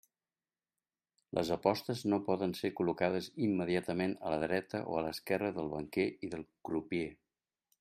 Les apostes no poden ser col·locades immediatament a la dreta o a l'esquerra del banquer i del crupier.